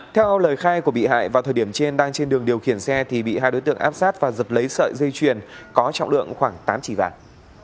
theo lời khai của bị hại vào thời điểm trên đang trên đường điều khiển xe thì bị hai đối tượng áp sát và giật lấy sợi dây chuyền có trọng lượng khoảng tám chỉ vàng